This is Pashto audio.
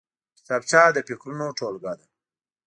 کتابچه د فکرونو ټولګه ده